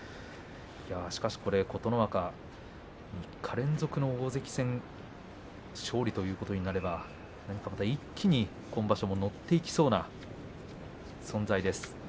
琴ノ若、３日連続の大関戦勝利ということになればまた一気に今場所も乗っていきそうな存在です。